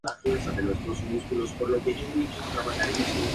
La piedra arenisca fue extraída de las colinas circundantes.